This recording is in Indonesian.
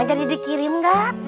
jadi dikirim gak